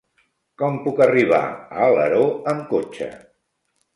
Com puc arribar a Alaró amb cotxe?